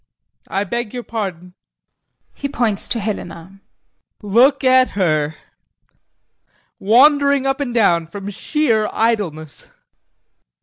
I beg your pardon. [He points to HELENA] Look at her. Wandering up and down from sheer idleness.